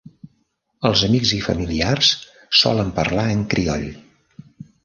Els amics i familiars solen parlar en crioll.